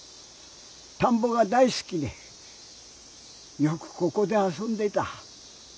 たんぼが大すきでよくここであそんでいた。